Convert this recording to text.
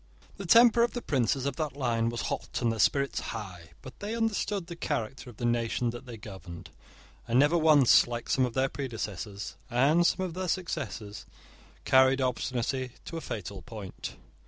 The temper of the princes of that line was hot, and their spirits high, but they understood the character of the nation that they governed, and never once, like some of their predecessors, and some of their successors, carried obstinacy to a fatal point.